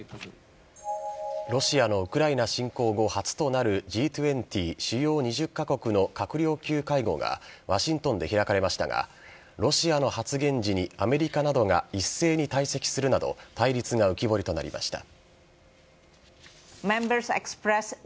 ロシアのウクライナ侵攻後初となるＧ２０＝主要２０ヶ国の閣僚級会合がワシントンで開かれましたがロシアの発言時にアメリカなどが一斉に退席するなど対立が浮き彫りとなりました。